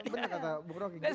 bener kata bu bro